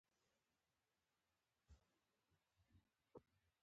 وروسته چې د دوی اضافي پانګه زیاته شي